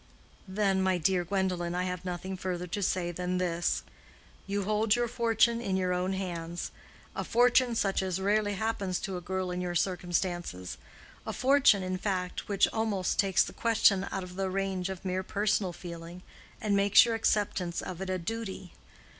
"Then, my dear Gwendolen, I have nothing further to say than this: you hold your fortune in your own hands—a fortune such as rarely happens to a girl in your circumstances—a fortune in fact which almost takes the question out of the range of mere personal feeling, and makes your acceptance of it a duty.